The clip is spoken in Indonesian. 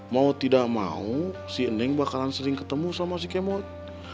mau tidak mau si neng bakalan sering ketemu sama si kemot